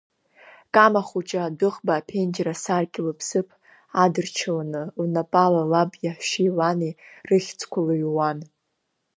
Кама хәыҷы адәыӷба аԥенџьыр асаркьа лыԥсыԥ адырчыланы, лнапала лаб иаҳәшьеи лани рыхьӡқәа лыҩуан.